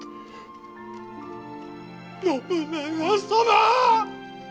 信長様！